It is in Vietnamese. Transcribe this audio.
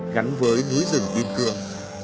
gắn với núi rừng việt cường